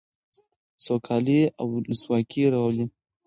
سوکالي او ولسواکي راولي.